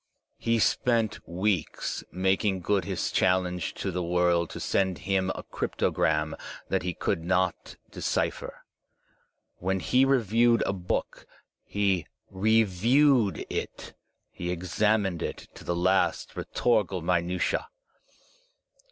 He spent weeks making good his challenge to the world to send him a cryptogram that he could not decipher. When he reviewed a book, he reviewed it, he examined it to the last rhetorical minutia.